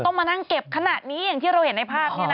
ก็ต้องมานั่งเก็บขนาดนี้อย่างที่เราเห็นในภาพนี่นะ